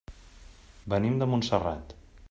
Venim de Montserrat.